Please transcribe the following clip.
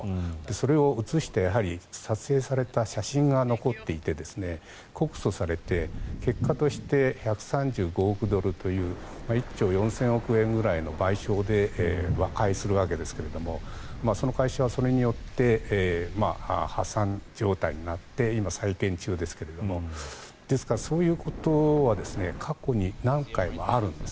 それを映して撮影された写真が残っていて告訴されて結果として１３５億ドルという１兆４０００億円ぐらいの賠償で和解するわけですがその会社はそれによって破産状態になって今、再建中ですがですからそういうことは過去に何回もあるんです。